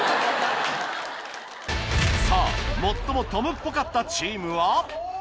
さぁ最もトムっぽかったチームは？